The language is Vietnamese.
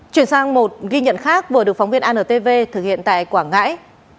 chuyển sang một ghi nhận khác vừa được phóng viên antv thực hiện tại quảng ngãi